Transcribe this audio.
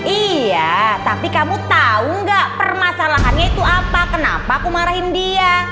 iya tapi kamu tahu nggak permasalahannya itu apa kenapa aku marahin dia